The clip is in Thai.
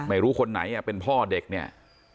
ไม่รู้คนไหนเป็นพ่อเด็กเนี่ย